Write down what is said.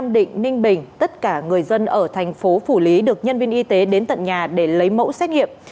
định ninh bình tất cả người dân ở thành phố phủ lý được nhân viên y tế đến tận nhà để lấy mẫu xét nghiệm